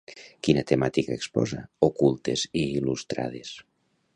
Quina temàtica exposa Ocultes i il·lustrades?